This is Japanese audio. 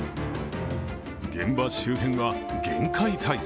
現場周辺は厳戒態勢。